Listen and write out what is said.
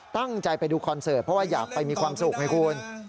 ตั้งใจไปดูคอนเสิร์ตเพราะว่าอยากไปมีความสุขไงคุณ